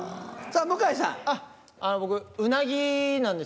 さぁ向井さん。